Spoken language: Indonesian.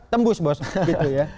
tembus bos gitu ya